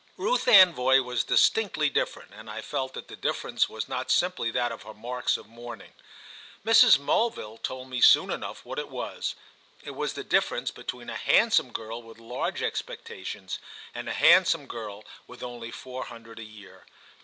Ruth Anvoy was distinctly different, and I felt that the difference was not simply that of her marks of mourning. Mrs. Mulville told me soon enough what it was: it was the difference between a handsome girl with large expectations and a handsome girl with only four hundred a year.